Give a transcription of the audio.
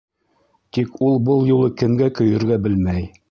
Тик ул был юлы кемгә көйөргә белмәй.